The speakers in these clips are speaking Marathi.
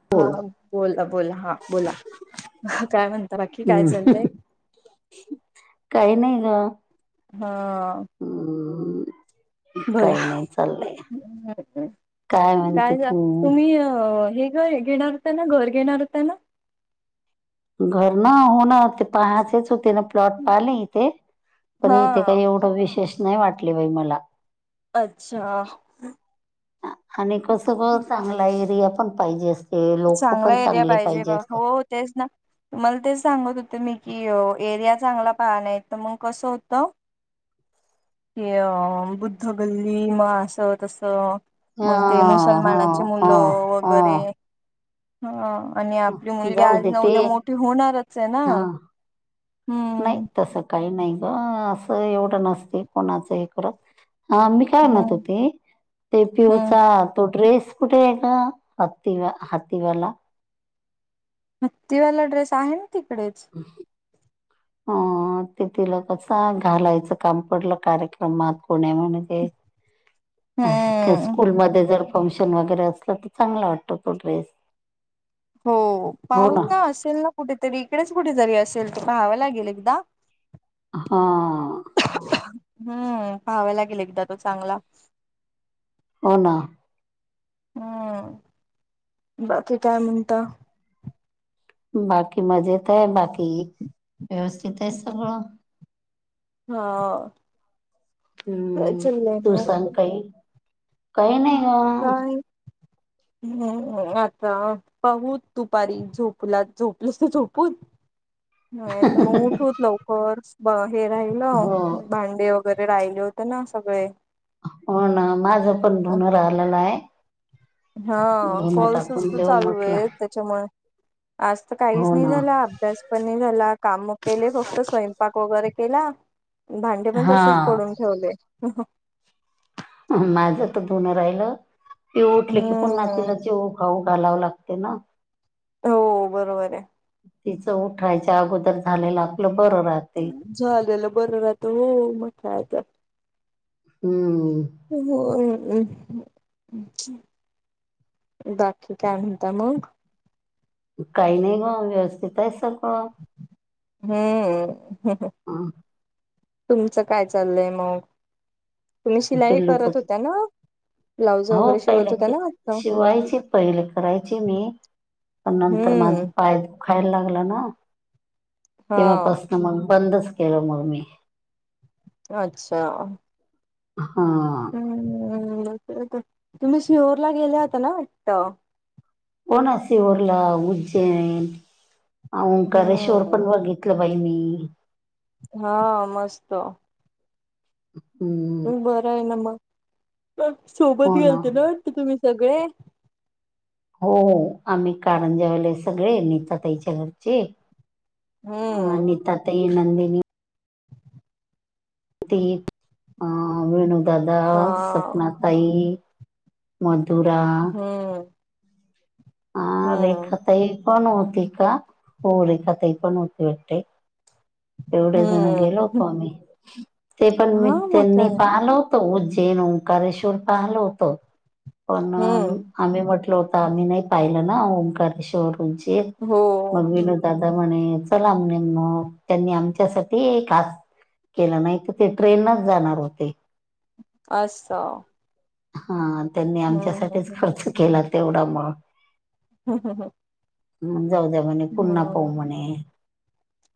ह हा बोला बोला हा बोला काय म्हणता बाकी काय हम्म. चाललंय. काही नाही ग हा ह बोला काय म्हणते काय तू तुम्ही अ हे घर हे घेणार होतं ना घर घेणार होतं ना घर ना होणार ते पहाच होतीन प्लॉट पाहिले इथे पण इथे हा काय एवढं विशेष नाही वाटले बाई मला अच्छा आणि कसं कस चांगला एरिया पण पाहिजे असते लोक चांगला पण एरिया चांगले पाहिजे बा असत हो तेच ना तुम्हाला तेच सांगत होते मी कि एरिया चांगला पाह नाही तर मग कसं होतं क अ बुद्ध गल्ली म असं तस ह मग ते मुसलमानाचे ह मुलं ह वगैरे ह हा आणि आपली मुलगी जाऊ आज दे न ते उद्या मोठी होणारच आहे ना हा नाही हम्म तसं काही नाही ग असं एवढं नसते कोणाचं इकडं हा मी काय हम्म म्हतो ते ते हम्म पिऊचा तो ड्रेस कुठे एकका हत्ी व हत्ातीवाला मक् तवाला ड्रेस आहे ना तिकडेच ह अ ते तिला कसं घालायचं काम पडलं कार्यक्रमात कोण्या म्हणजे का हम्म स्कूल मध्ये जर फंक्शन वगैरे असलं तर चांगला वाटतो तो ड्रेस हो पाहत ना असेल ना कुठेतरी इकडेच कुठ तरी असेल त पाहावं लागेल एकदा हा हम्म पाहाव लागेल एकदा तो चांगला हो ना हम्म बाकी काय म्हणता बाकी मजेत आहे बाकी व्यवस्थित आहे सगळं हा हम्म चले तू सांग काही काही नाही ग काय हम् आता पाहू दुपारी झोपला झोपलं तर झोपून नाही तर मग उठवत लवकर हे राहिलं हो भांडे वगैरे वगैरे राहिले होते ना सगळे हो ना माझं पण ुन राहिलेला आहे हा धुन कॉल्सच टाकून तर देऊ चालू म्हटलं आहेत. त्याच्यामुळे आज तर काहीच हो नाही ना झाला अभ्यास पण झाला काम केले फक्त स्वयंपाक वगैरे केला भांडे पण तसेच हा पडून ठेवले माझं तर धोन राहिलं तेि उठले की पुन नातीला हम्म जेव गाऊ घालावं लागते ना. हो बरोबर आहे. तिचं उठरायच्या अगोदर झालेलं आपलं बरं राहत. झालेलं बरं राहतं हो मोठा आता हम्म च् बाकी काय म्हता मग काही नाही ग व्यवस्थित आहे सगळं. हम्म, हह ह तुमचं काय चाललंय मग? तुम्ही शिलाई पिल्लूचं करत होत्या ना? ब्लाउज हो वगैरे शिवत पहिले होत्या क ना वाटत शिवायची पहिले, करायची मी. पण नंतर माझा हम्म पायदा खायला लागलं ना हा तेव्हापासन मग बंदच केलं मग मी. अच्छा हा हम् तुम्ही सिहोरला गेल्या होत ना वाटत. होणा सिवर्ला उज्जैन अं काशवरर हम्म पणवाितत.. क बहिनी हा मस्त हम्. बरं आहे ना मग, मग सोबत गेलते ना वाटते तुम्ही सगळे? हो आम्ही कारंजेवाले सगळे, नीताताईच्या घरचे अ हम्म अनिता ताई, नंदिनी ती अं वेणु दादा, हा सपना ताई मदुरा हम्म आं हम्म रेखाताई पण होती का? हो रेखाताई पण होती वाटतय. एवढे जणं गेलो हम्म होतो आम्ही. ते पण मी हा मोठा त्यांनी आहे पाहिलो उज्जैन ओंकारेश्वर पाहालं होत, पण हम्म आम्ही म्हट होता मी नाही पाहिलं ना ओंकारे शोरूमची हो मग विनोद दादा म्हणे चला म्हणे मग, त्यांनी आमच्यासाठी खास केला नाही तर ते ट्रेन नच जाणार होते. असं. हा त्यांनी हम्म आमच्यासाठीच हम्म खर्च केला तेवढा मग हू हू हू. हम जाऊ द्या. म्हणे पुन्हा पाहू म्हणे,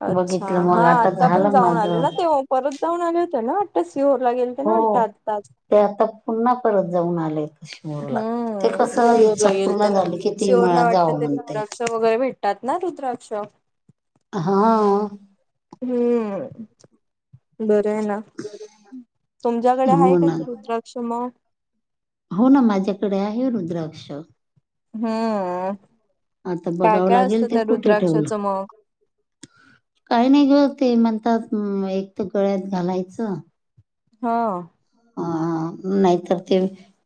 अच्छा बघितलं मग हा आता पण झालं जाऊन माझ आले ना ते परत जाऊन आले होत ना वाटतं सिहोर ला गेलते ना हो वाटतं आताच. ते आता पुन्हा परत जाऊन आलेत. हम्म सिहोरला पूर्ण गेलते ना? झाली की तीन वेळा सिहोरला वाटतं जावं ते म्हणते रुद्राक्ष वगैरे भेट तात ना रुद्राक्ष? हा. हम्म बरं आहे ना. तुमच्याकडे आहे हो का ना ते रुद्राक्ष मं? हो ना माझ्याकडे आहे रुद्राक्ष. हम्म. आता काय बघावं काय लागेल असतं ते त्या कुठे ठेवलं. रुद्राक्षाचं मग काही नाही गं ते म्हणतात एक तर गळ्यात घालायचं हा हं नाहीतर ते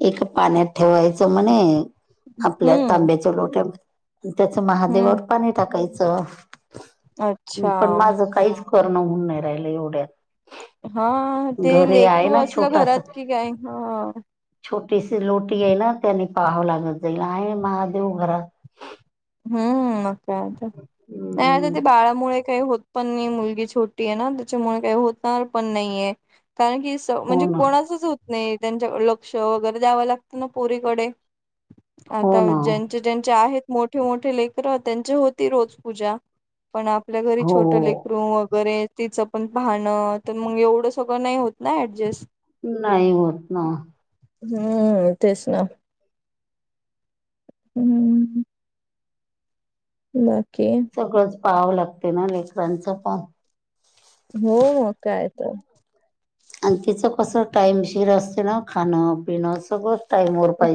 एका पाण्यात ठेवायचं म्हणे आपल्या हम्म तांब्याच्या लोट्यामध्ये, त्याचं हम्म महादेवावर पाणी टाकायचं. अच्छा पण माझं काहीच करणं होवून नाही राहिलं एवढ्यात. हा ते घरी आहे लेकरू ना असलं छोटासा घरात कि काय ह छोटीशी लोटी आहे ना त्यांनी पाहावं लागत जाईल आहे महादेव घरात हम्म मग काय आता नाही आता हम्म ते बाळामुळे काही होत. पण मुलगी छोटी आहे ना त्याच्यामुळे काही होणार पण नाहीय कारण की. हो म्हणजे ना कोणाच होत नाही त्यांच्याक लक्ष वगैरे द्यावं लागतं ना पोरीकडे.. आता हो ना ज्यांचे ज्यांचे आहेत मोठे मोठे लेकर त्यांचे होती रोज पूजा.. पण आपल्या घरी हो छोट लेकरू वगैरे. तिचं पण पाहणं तर मग एवढं सगळं नाही होत ना ऍडजस्ट.. नाही होत ना. हम्म तेच ना. हम्म बाकी सगळंच पाहवं लागतंय ना लेकरांचं पण हो, मग काय तर. आणि तिचं कसं टाईमशीर असते ना खाणं पिणं सगळं....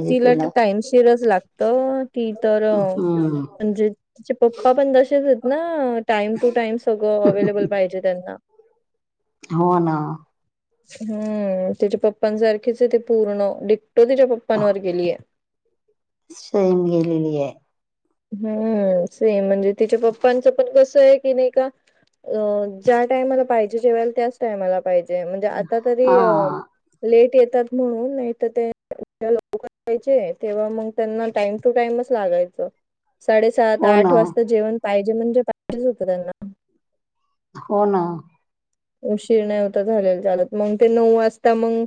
तिला तर टाइमशीरच लागतं, ती तर हम्म म्हणजे.... त्याचे पप्पा पण तसेच आहेत ना टाइम टू टाइम सगळं अवेलेबल पाहिजे त्यांना. हो ना. हम्म तिच्या पप्पांसारखीच आहे ती पूर्ण डिकटो तिच्या पप्पांवर गेलीये.... सेम गेलेली आहे... हम्म सेम म्हणजे तिच्या पप्पांचं पण कसं आहे की नाही का? अ ज्या टायमाला पाहिजे जेवायला त्याच टायमाला पाहिजे म्हणजे आता तरी हा अ.... लेट येतात म्हणून नाही तर ते लवकर जायचे तेव्हा मग त्यांना... टाइम टू टाइमच लागायच साडेसात हो आठ ना वाजता जेवण पाहिजे म्हणजे पाहिजे होतं त्यांना... हो ना.... उशीर नाही होता झालेला चालत मग ते नऊ वाजता मग...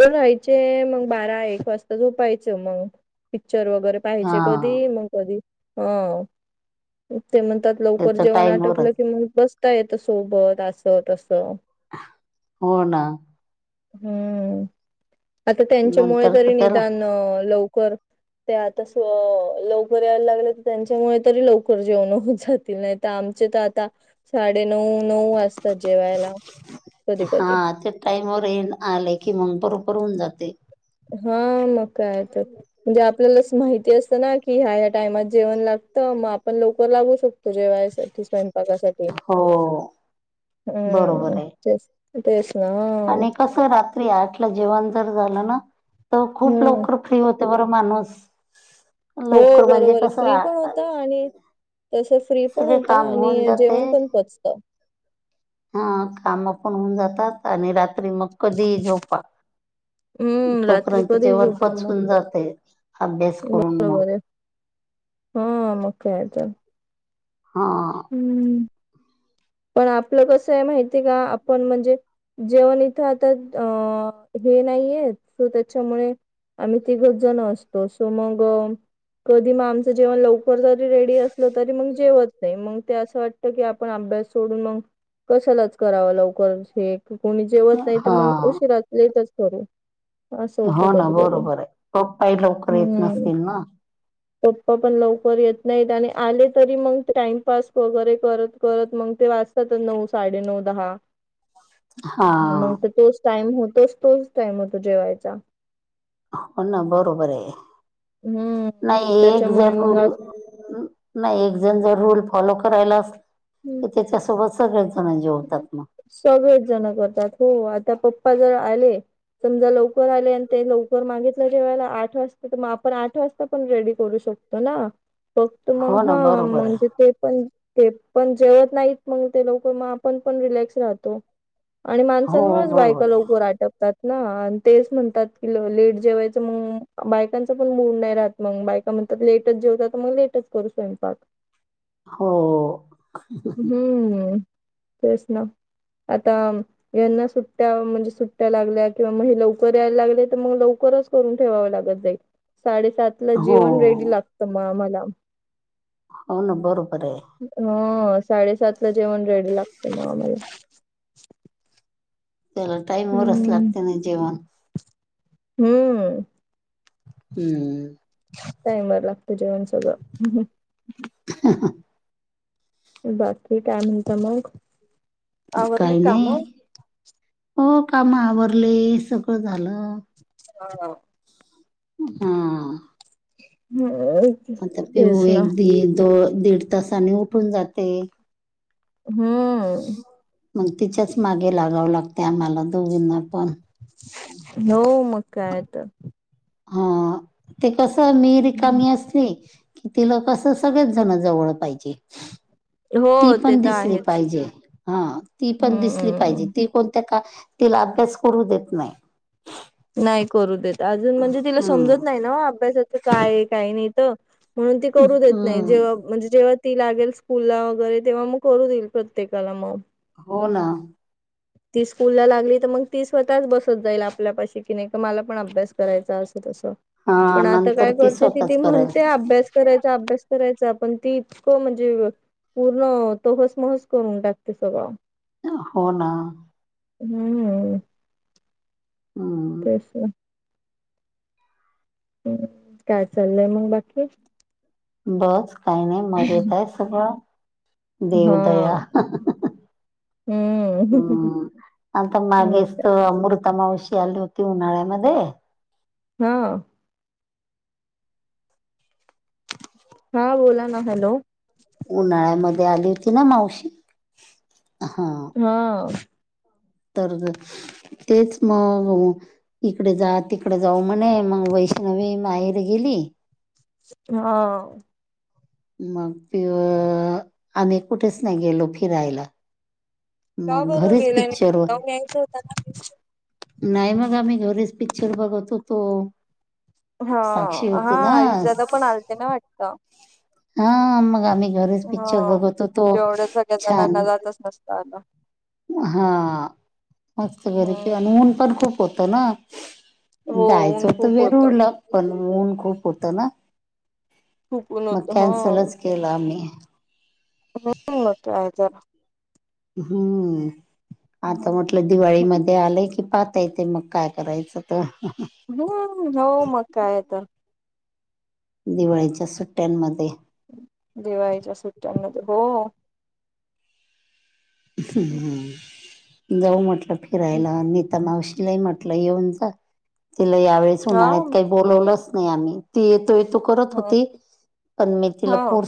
राहायचे मग बारा एक वाजता झोपायचं मग पिक्चर वगैरे.... हा पाहिजे कधी मग कधी हो.. ते म्हणतात लवकर त्याच जेवण आटपलं टाईमवरच कि मग बसता येत सोबत अस तसं... हो ना.... हम्म आता त्यांच्यामुळे नंतर तरी तर त्याला निदान लवकर ते आता लवकर यायला लागले तर त्यांच्यामुळे तरी लवकर जेवण होत जातील नाहीत... आमचे तर आता साडे नऊ नऊ वाजतात जेवायला कधी कधी.... टाइम वर येन आले की मंग बरोबर होऊन जाते.... हा मग काय ते? म्हणजे आपल्याला माहिती असतं ना कि ह्या ह्या टाइमात जेवण लागतं मग आपण लवकर लागू शकतो... तु जेवायसाठी स्वयंपाकासाठी हो बरोबर हम्म आहे तेच... तेच ना... आणि कस रात्री आठला जेवण जर झालं ना तर खूप हम्म लवकर... फ्री होते बरं माणूस... हो लवकर म्हणजे बरोबर आहे कसं फ्री पण आ- होता आणि... तसं फ्री पण सगळे होत काम होऊन आणि जाते जेवण पण पचत. हा काम पण होऊन जातात आणि रात्री मग कधी ही झोपा... हम्म रात्री तोपर्यंत कधी जेवण झोपा मग पचून जाते अभ्यास करून मग... बरोबर आहे हा मग काय तर.... हा.... हमम पण आपलं कसं आहे माहितीय का आपण म्हणजे.... जेवण इथं आता अं हे नाहीये सो त्याच्यामुळे.... आम्ही तिघच जण असतो सो मग कधी मग आमचं जेवण लवकर.... जरी रेडी असल तरी मग जेवत... नाही मग ते असं वाटत की आपण अभ्यास सोडून मग कशालाच करावा लवकर हे... कोणी जेवत नाही तर हा मग उशिराच लेटच करू..... असं होतं हो ना कधी कधी बरोबर आहे पप्पाही लवकर येत हम्म.... नसतील ना पप्पा पण लवकर येत नाहीत आणि आले तरी मग.... टाइमपास वगैरे करत करत मग ते वाजतात नऊ साडे नऊ दहा... हा मग तर तोच टाइम होतोच तोच टाइम होतो जेवायचा... हो ना बरोबर आहे हम्म नाही एक त्याच्यामुळे मग जरूर... आज नाही एक जण जर रूल फॉलो करायला असल की त्याच्यासोबत सगळेच जण जेवतात मग..... सगळेच जण करतात हो आता पप्पा जर आले... समजा लवकर आले आणि ते लवकर मागितलं जेवायला आठ वाजता तर मग आपण आठ वाजता पण रेडी करू शकतो... ना फक्त हो मग ना हा बरोबर आहे म्हणजे... ते पण ते पण जेवत नाहीत मग ते लवकर मग आपण पण रिलॅक्स राहतो... आणि हो माणसांमुळेच बायका बरोबर आहे लवकर आटप.... ना आणि तेच म्हणतात की लेट जेवायचं मग बायकांच पण मूड नाही राहत मग बायका म्हनतात लेटच जेवतात तर मग लेटच करू स्वयंपाक हो हम्म तेच ना आता.... यांना सुट्टया म्हणजे सुट्टया लागल्या किंवा मग हे लवकर यायला लागले तर मग लवकरच... करून ठेवावं लागत जाईल साडेसात ला हो जेवण रेडी लागत म आम्हाला.... हो ना बरोबर आहे ह साडेसात ला जेवण रेडी लागत मग आम्हाला त्याला टाईम वरच हम्म लागते ना जेवण हम्म हम्म टाईम वर लागत जेवण सगळं ह बाकी काय म्हणता मग आवरले काही काम? नाही हो काम आवरली सगळं झालं हा हा ह आता पिऊ एक दी दो दीड तासाने उठून जाते हम्म मग तिच्याच मागे लागाव लागते आम्हाला दोघींना पण हो मग कायतरं हा ते कस मिही रिकामी असते तिला कसं सगळेच जणं जवळ पाहिजे हो ती ते पण तर दिसली आहेच पाहिजे हा ती पण दिसली पाहिजे हम्म ती कोणत्या का तिला अभ्यास करू देत नाही नाही करू देत अजून म्हणजे तिला समजत हम्म नाही ना अभ्यासाच काय काही नाही तर म्हणून ती करू देत नाही जेव्हा हम्म म्हणजे जेव्हा ती लागेल स्कूल ला वगैरे तेव्हा मग करू देईल प्रत्येकाला मग हो ना ती स्कूलला लागली तर मग ती स्वतःच बसत जाईल आपल्यापाशी की नाही का मला पण अभ्यास करायचा असं तसं हा पण आता नंतर काय करते ती स्वतःच करेल म्हणते अभ्यास करायचा अभ्यास करायचा पण ती इतकं म्हणजे पूर्ण तोहसमहस करून टाकते सगळं हो ना हम्म हम्म तेच आहे काय चाललंय मग बाकी बस काही नाही मजेत आहे सगळं देव दया हा हम्म हम्म आता मग मागेच काय अमृता मावशी आलीस होती ती उन्हाळ्यामध्ये हा हा बोला ना हॅलो उन्हाळ्यामध्ये आली होती ना मावशी हा हा तर तेच मग इकडे जा तिकडे जाऊ म्हणे मग वैष्णवी माहेरी गेली हा मग आम्ही कुठेच नाही गेलो फिरायला का मग बरं घरीच गेलं नाही पिक्चर मग जाऊन यायचं होत वगैरे नाही मग आम्ही घरीच पिक्चर बघत होतो हा साक्षी हा होती ना आयुष त पण आलते ना वाटत हा मग आम्ही घरच हा पिक्चर बघवतो तो छान.. नत आ हा मस्त घरी अन हम्म ऊन पण खूप होत ना हो जायचं ऊन होतं खूप होत वेरूळ ला पण ऊन खूप होत ना थुकून मग होत ह कॅन्सलच केलं आम्ही म हम्म आता म्हटलं हम्म दिवाळीमध्येध्ये आलंय की पाच ता इथे मग काय करायचं तर हम्म हो मग काय तर.. दिवाळीच्या सुट्ट्यांमध्ये दिवाळीच्या सुट्ट्यांमध्ये हो ह जाऊ म्हटलं फिरायला नीता मावशीलाही म्हटलं. येऊन जा तिला यावेेळेस हा उन्हाळ्यात काही बोलवलंच नाही आम्ही ती येतो येतो करत ह होती पण मी तिला हा पोर्